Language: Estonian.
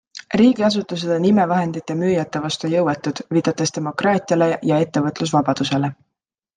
Riigiasutused on imevahendite müüjate vastu jõuetud, viidates demokraatiale ja ettevõtlusvabadusele.